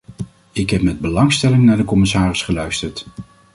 Ik heb met belangstelling naar de commissaris geluisterd.